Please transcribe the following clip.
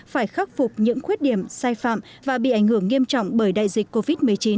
phải khắc phục những khuyết điểm sai phạm và bị ảnh hưởng nghiêm trọng bởi đại dịch covid một mươi chín